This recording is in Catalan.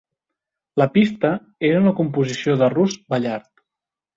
La pista era una composició de Russ Ballard.